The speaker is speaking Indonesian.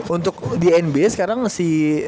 untuk di nba sekarang si